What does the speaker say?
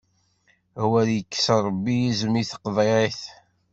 Awer ikkes Ṛebbi izem i teqḍiɛt!